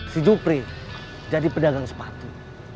si jupri jadi pedagang sepatu